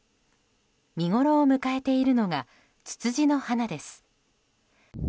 見ごろを迎えているのがツツジの花です。